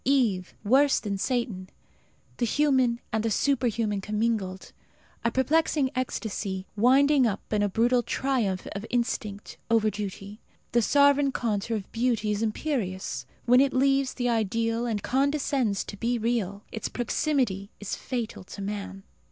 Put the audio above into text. Eve worse than Satan; the human and the superhuman commingled. A perplexing ecstasy, winding up in a brutal triumph of instinct over duty. The sovereign contour of beauty is imperious. When it leaves the ideal and condescends to be real, its proximity is fatal to man.